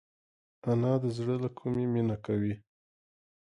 انا د زړه له کومي مینه کوي